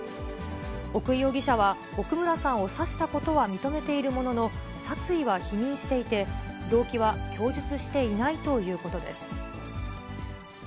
奥井容疑者は、奥村さんを刺したことは認めているものの、殺意は否認していて、動機は供述していないということです。